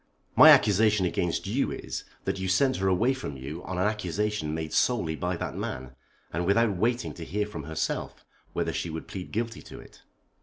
My accusation against you is, that you sent her away from you on an accusation made solely by that man, and without waiting to hear from herself whether she would plead guilty to it."